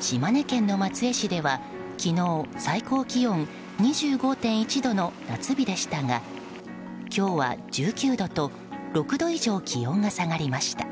島根県の松江市では昨日最高気温２５．１度の夏日でしたが今日は１９度と６度以上、気温が下がりました。